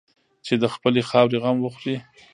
چې د خپلې خاورې غم وخوري.